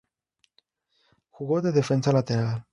Jugó de defensa lateral.